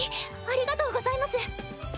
ありがとうございます！